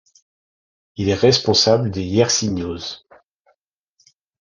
Il est responsable des yersinioses.